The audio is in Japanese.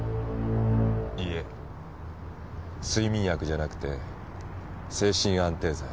いいえ睡眠薬じゃなくて精神安定剤。